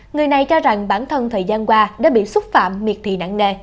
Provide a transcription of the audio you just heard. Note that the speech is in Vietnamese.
người này cho rằng bản thân thời gian qua đã bị xúc phạm miệt thị nặng nề